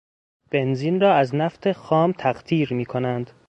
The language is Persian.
بنزین را از نفت خام تقطیر میکنند.